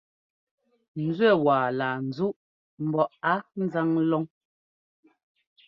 Nzúɛ́ waa laa nzúʼ mbɔ á nzáŋ lɔn.